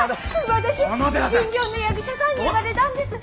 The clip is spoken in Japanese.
私巡業の役者さんに言われだんです。